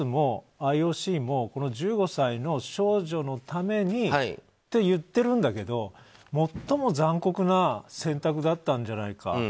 ＣＡＳもＩＯＣもこの１５歳の少女のためにって言ってるんだけど最も残酷な選択だったんじゃないか。